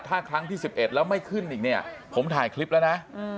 ถ้าครั้งที่๑๑แล้วไม่ขึ้นอีกเนี่ยผมถ่ายคลิปแล้วนะ